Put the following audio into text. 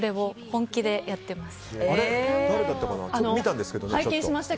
本気でやってます。